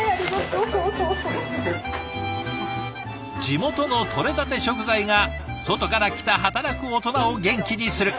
地元のとれたて食材が外から来た働くオトナを元気にする。